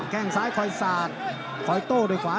แค่งซ้ายคอยสาดคอยโต้ด้วยขวา